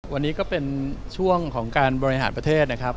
วันนี้ก็เป็นช่วงของการบริหารประเทศนะครับ